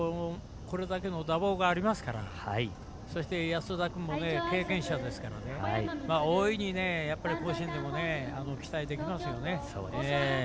これだけの打棒がありますからそして、安田君も経験者ですからね大いに甲子園も期待できますよね。